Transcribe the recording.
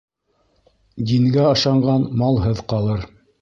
Дингә ышанған малһыҙ ҡалыр.